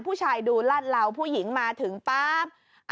ผู้ชายดูลาดเหล่าผู้หญิงมาถึงปั๊บ